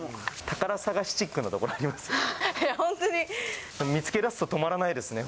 宝探しチックなところ、ありますね。